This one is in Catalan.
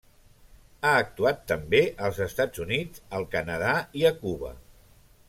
Ha actuat també als Estats Units, al Canadà i a Cuba.